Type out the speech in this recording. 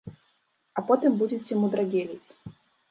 А потым будзеце мудрагеліць.